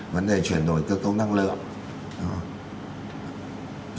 vấn đề chuyển đổi cơ cấu năng lượng